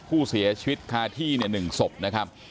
ผู้เสียชีวิตคาที่๑ศพนะครับ